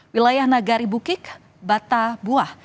wilayah nagari bukit batapuah